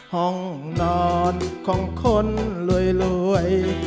ห้องนอนของคนรวย